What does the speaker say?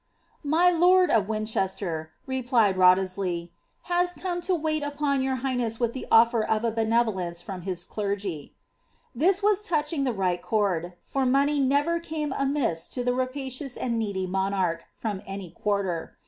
My lord of Winchester, ' replied Wriolhesley, " has come to wait K>n your highness with the offer of a benevolence from his clergy.' his was touching the right chord, for money never came amiss to the pacious and needy monarch, from any quarter.